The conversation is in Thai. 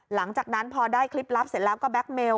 หลังจากนั้นพอได้คลิปลับเสร็จแล้วก็แก๊กเมล